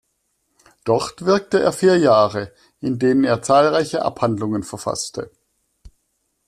Dort wirkte er vier Jahre, in denen er zahlreiche Abhandlungen verfasste.